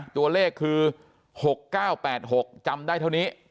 ตัวเลขคือหกเก้าแปดหกจำได้เท่านี้